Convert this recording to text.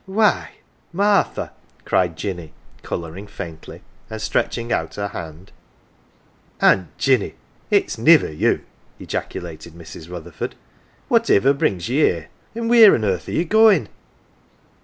" Why, Martha !" cried Jinny, colouring faintly, and stretching out her hand. " Aunt Jinny, it's niver you !" ejaculated Mrs. 160 AUNT JINNY Rutherford. " Whativer brings ye here ? An' wheer on earth are ye goin' ?